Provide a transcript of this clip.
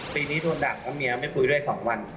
ปีนี้โดนด่างแล้วเมียไม่คุยด้วย๒วัน